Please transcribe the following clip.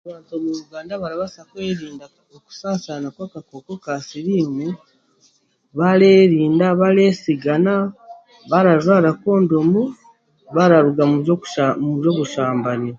Omu Uganda barabaasa kwerinda okusaasaana kw'akakooko ka siriimu bareerinda, bareesigana, barajwara kondomu, bararuga muby'obushambani.